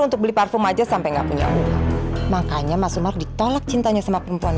untuk beli parfum aja sampai nggak punya uang makanya mas umar ditolak cintanya sama perempuan